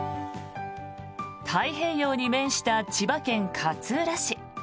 太平洋に面した千葉県勝浦市。